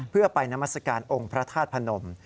เพื่อไปนามัศกาลองค์พระธาตุพนม